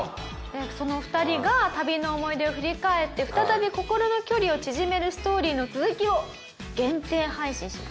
その２人が旅の思い出を振り返って再び心の距離を縮めるストーリーの続きを限定配信します。